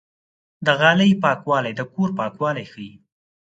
د غالۍ پاکوالی د کور پاکوالی ښيي.